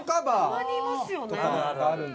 たまにいますよね。